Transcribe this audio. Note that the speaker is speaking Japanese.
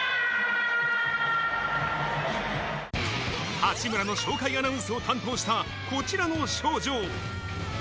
八村の紹介アナウンスを担当した、こちらの少女。